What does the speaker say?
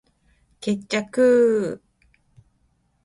決着ゥゥゥゥゥ！